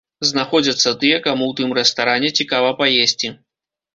Знаходзяцца тыя, каму ў тым рэстаране цікава паесці.